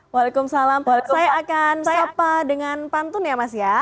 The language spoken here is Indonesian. waalaikumsalam saya akan sapa dengan pantun ya mas ya